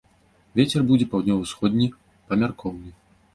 Вецер будзе паўднёва-усходні, памяркоўны.